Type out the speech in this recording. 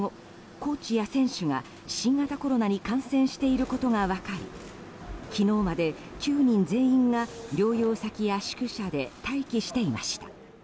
コーチや選手が、新型コロナに感染していることが分かり昨日まで９人全員が療養先や宿舎で待機していました。